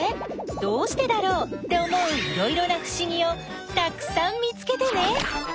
「どうしてだろう」って思ういろいろなふしぎをたくさん見つけてね！